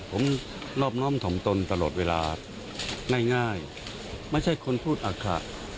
ผมรอบน้อมถ่อมตนตลอดเวลาง่ายไม่ใช่คนพูดอักขะ